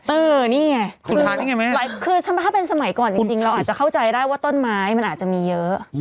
เออนี่ไงคุณทานได้ไงคือถ้าเป็นสมัยก่อนจริงเราอาจจะเข้าใจได้ว่าต้นไม้มันอาจจะมีเยอะ